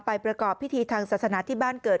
ประกอบพิธีทางศาสนาที่บ้านเกิด